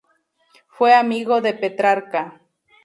Fue amigo de Petrarca.